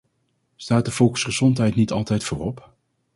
Staat de volksgezondheid niet altijd voorop?